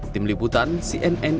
tim liputan cnn